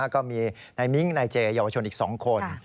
ก็มีนายมิ้งนายเจเยาวชนอีก๒คน